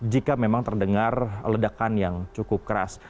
jika memang terdengar ledakan yang cukup keras